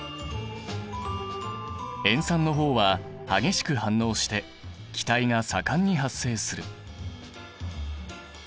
塩酸の方は激しく反応して気体が盛んに発生する。